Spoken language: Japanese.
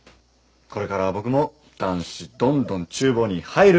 これからは僕も男子どんどん厨房に入るべし！